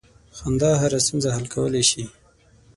• خندا هره ستونزه حل کولی شي.